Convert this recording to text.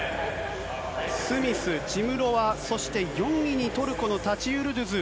スミス、チムロワ、そして４位にトルコのタチユルドゥズ。